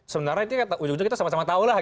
sebenarnya ujung ujungnya kita sama sama tahu lah